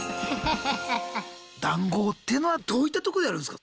談合っていうのはどういったとこでやるんすか？